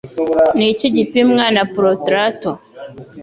Ni iki gipimwa na protrator?